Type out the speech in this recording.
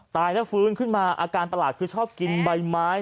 ตายแล้วฟื้นขึ้นมาอาการประหลาดคือชอบกินใบไม้